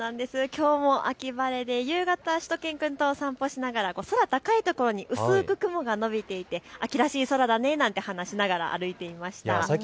きょうも秋晴れで夕方、しゅと犬くんとお散歩しながら空高いところに薄く雲がのびていて、秋らしい空だねなんて話しながら歩いていました。